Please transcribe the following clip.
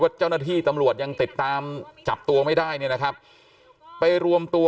เจ้าหน้าที่ตำรวจยังติดตามจับตัวไม่ได้เนี่ยนะครับไปรวมตัว